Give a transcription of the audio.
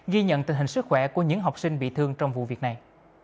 ghi nhận tình hình sức khỏe của những học sinh bị thương trong vụ việc này